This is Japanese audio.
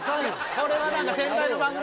これは何か先輩の番組